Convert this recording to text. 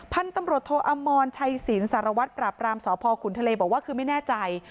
ท่านตำลดโทอมอนชัยศีลสารวัตรปราบรามสขุนทะเลบอกว่าคือไม่แน่ใจ